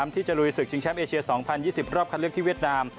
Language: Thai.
ที่จะลุยศึกชิงแชมป์เอเชีย๒๐๒๐รอบคัดเลือกที่เวียดนาม